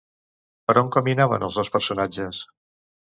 Per on caminaven els dos personatges?